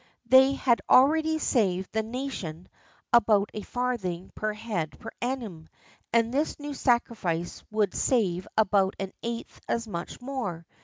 They had already saved the nation about a farthing per head per annum, and this new sacrifice would save about an eighth as much more.